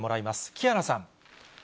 木原さん。